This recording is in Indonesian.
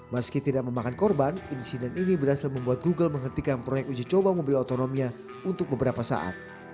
meski tidak memakan korban insiden ini berhasil membuat google menghentikan proyek uji coba mobil otonominya untuk beberapa saat